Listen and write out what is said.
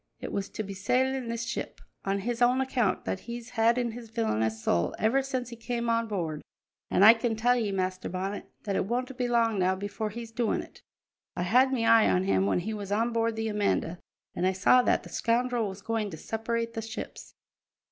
It was to be sailin' this ship on his own account that he's had in his villainous soul ever since he came on board; an' I can tell ye, Master Bonnet, that it won't be long now before he's doin' it. I had me eye on him when he was on board the Amanda, an' I saw that the scoundrel was goin' to separate the ships."